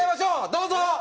どうぞ！